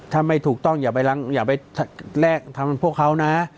ถ้าไม่ถูกต้องอย่าไปแลกทำพวกเขานะ